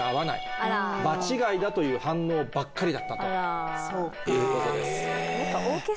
「場違いだ」という反応ばっかりだったということです。